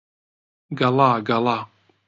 گەڵا گەڵا